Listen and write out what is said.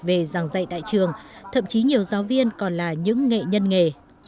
về giảng dạy tại trường thậm chí nhiều giáo viên còn là những nghệ nhân nghề